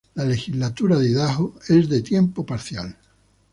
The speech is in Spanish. La legislatura de Idaho es de tiempo parcial.